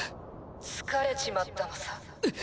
疲れちまったのさ。